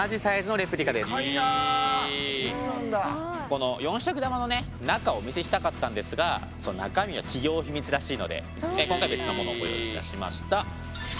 この四尺玉の中をお見せしたかったんですが中身は企業秘密らしいので今回は別のものをご用意いたしました。